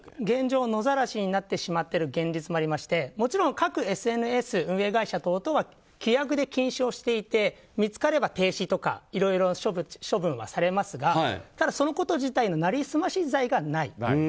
現状、野ざらしになってしまっている現実もありましてもちろん各ＳＮＳ運営会社等々は規約で禁止していて見つかれば停止とかいろいろ処分はされますがそのこと自体に成り済まし罪がない。